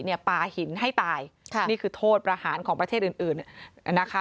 ปลาหินให้ตายค่ะนี่คือโทษประหารของประเทศอื่นอื่นนะคะ